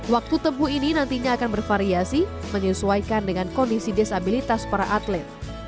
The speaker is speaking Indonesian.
waktu tempuh ini nantinya akan bervariasi menyesuaikan dengan kondisi disabilitas para atlet